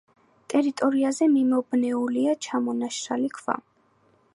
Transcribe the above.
ტერიტორიაზე მიმობნეულია ჩამონაშალი ქვა.